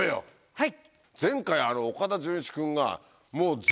はい。